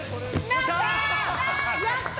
やった！